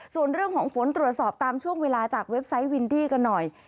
ส่วนเรื่องของฝนตรวจสอบตามช่วงเวลาจากเว็บไซต์วินดี้กันหน่อย